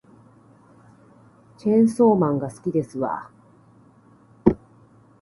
チェーンソーマンが好きですわ